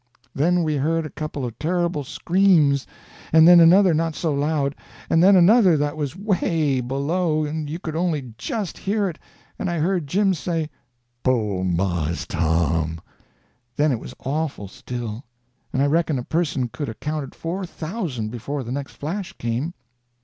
Then we heard a couple of terrible screams, and then another not so loud, and then another that was 'way below, and you could only just hear it; and I heard Jim say, "Po' Mars Tom!" Then it was awful still, and I reckon a person could 'a' counted four thousand before the next flash come.